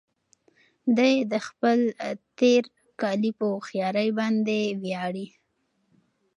دی د خپل تېرکالي په هوښيارۍ باندې ویاړي.